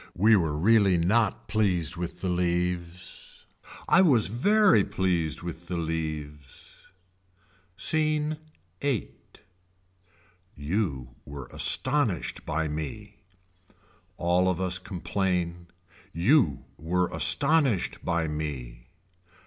We were really not pleased with the leaves. I was very pleased with the leaves. Scene VIII. You were astonished by me. All of us complain. You were astonished by me.